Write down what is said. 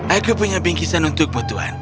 aku punya pinky san untukmu tuan